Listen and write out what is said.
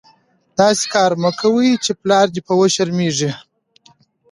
داسي کار مه کوئ، چي پلار دي په وشرمېږي.